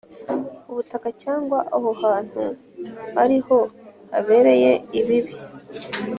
Ubutaka cyangwa aho hantu ari ho habereye ibibi